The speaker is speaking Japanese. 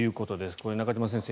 これ、中島先生